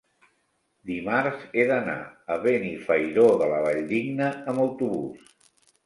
Dimarts he d'anar a Benifairó de la Valldigna amb autobús.